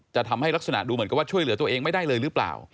จะทำให้ลักษณะดูเหมือนกับว่าช่วยเหลือตัวเองไม่ได้เลยหรือเปล่า